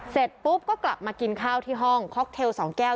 เสร็จปุ๊บก็กลับมากินข้าวที่ห้องค็อกเทล๒แก้ว